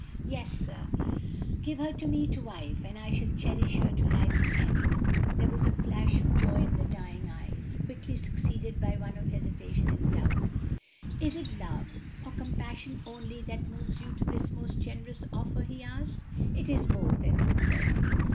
"Yes, sir; give her to me to wife, and I will cherish her to life's end." There was a flash of joy in the dying eyes, quickly succeeded by one of hesitation and doubt. "Is it love or compassion only that moves you to this most generous offer?" he asked. "It is both," Edward said.